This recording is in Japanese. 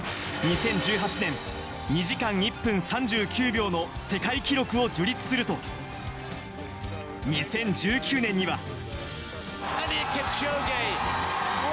２０１８年、２時間１分３９秒の世界記録を樹立すると、２０１９年には。